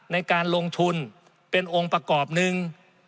ในการลงทุนเป็นองค์ประกอบหนึ่ง